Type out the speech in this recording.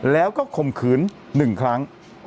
แล้วก็ข่มขืนหนึ่งครั้ง